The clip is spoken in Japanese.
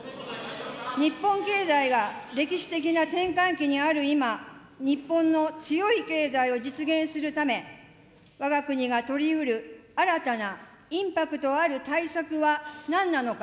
日本経済が歴史的な転換期にある今、日本の強い経済を実現するため、わが国がとりうる新たなインパクトある対策は何なのか。